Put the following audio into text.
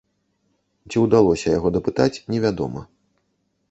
Ці ўдалося яго дапытаць, невядома.